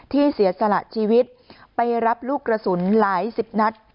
เสียสละชีวิตไปรับลูกกระสุนหลายสิบนัด